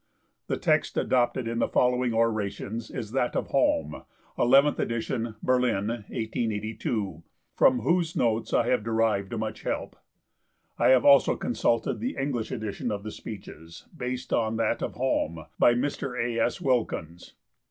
The text adopted in the following Orations is that of Halm (11th Edition, Berlin, 1882), from whose notes I have derived much help. I have also consulted the English edition of the Speeches, based on that of Halm, by Mr. A. S. Wilkins.